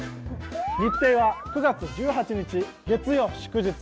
日程は９月１８日月曜祝日。